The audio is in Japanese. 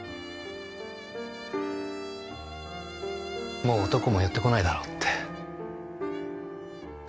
もう男も寄ってこないだろうって。